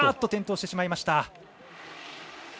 転倒してしまいました。